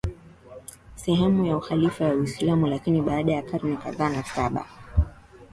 sehemu ya ukhalifa wa Uislamu lakini baada ya karne kadhaa nasaba